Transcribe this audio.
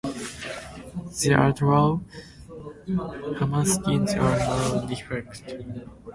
The Outlaw Hammerskins are now defunct.